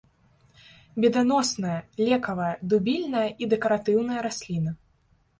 Меданосная, лекавая, дубільная і дэкаратыўная расліна.